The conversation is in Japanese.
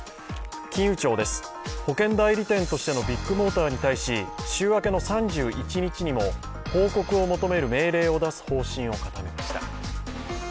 金融庁です、保険代理店としてのビッグモーターに対し週明けの３１日にも報告を求める命令を出す方針を固めました。